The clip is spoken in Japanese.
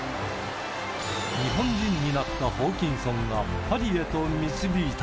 日本人になったホーキンソンが、パリへと導いた。